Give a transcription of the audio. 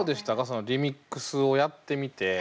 そのリミックスをやってみて。